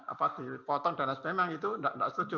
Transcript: apa dipotong dana spm itu memang tidak setuju